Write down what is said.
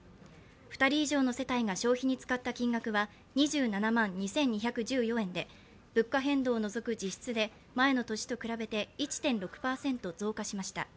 ２人以上の世帯が消費に使った金額は２７万２２１４円で物価変動を除く実質で前の年と比べて１．６％増加しました。